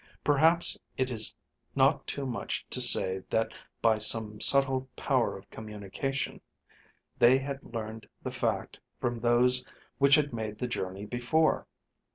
Perhaps it is not too much to say that by some subtle power of communication they had learned the fact from those which had made the journey before.